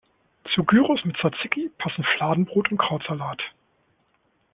Zu Gyros mit Tsatsiki passen Fladenbrot und Krautsalat.